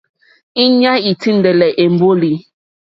Íɲá î tíndɛ́lɛ́ èmbólì.